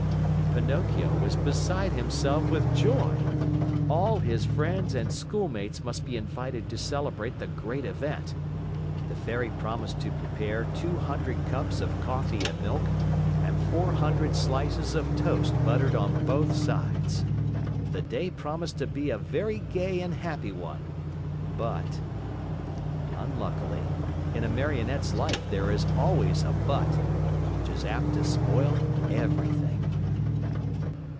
Pinocchio was beside himself with joy. All his friends and schoolmates must be invited to celebrate the great event! The Fairy promised to prepare two hundred cups of coffee and milk and four hundred slices of toast buttered on both sides. The day promised to be a very gay and happy one, but Unluckily, in a Marionette's life there's always a BUT which is apt to spoil everything.